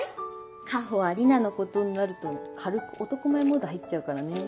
夏穂は里奈のことになると軽く男前モード入っちゃうからねぇ。